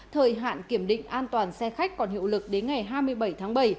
thời hạn kiểm định an toàn xe khách còn hiệu lực đến ngày hai mươi bảy tháng bảy